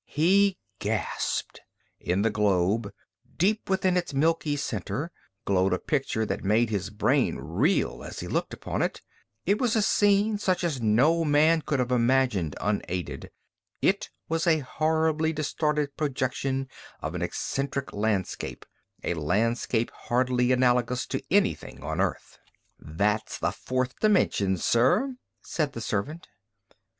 He gasped. In the globe, deep within its milky center, glowed a picture that made his brain reel as he looked upon it. It was a scene such as no man could have imagined unaided. It was a horribly distorted projection of an eccentric landscape, a landscape hardly analogous to anything on Earth. "That's the fourth dimension, sir," said the servant.